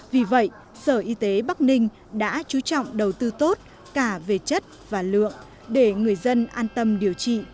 vì vậy sở y tế bắc ninh đã chú trọng đầu tư tốt cả về chất và lượng để người dân an tâm điều trị